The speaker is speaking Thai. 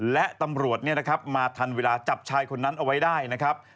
และตำรวจมาทันเวลาจับชายคนนั้นเอาไว้ได้นะครับ